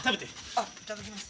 あっいただきます。